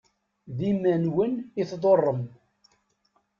D iman-nwen i tḍurrem.